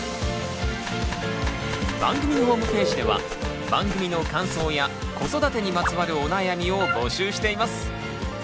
番組のホームページでは番組の感想や子育てにまつわるお悩みを募集しています。